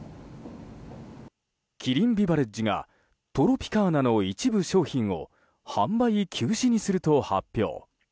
キリンビバレッジがトロピカーナの一部商品を販売休止にすると発表。